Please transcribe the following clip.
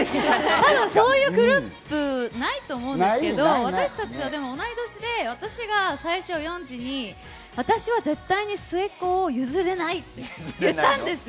そういうグループないと思うんですけど、私たちはでも同い年で、私が最初ヨンジに私は絶対に末っ子を譲れないって言ったんですよ。